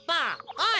おい！